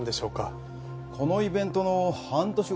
このイベントの半年後です。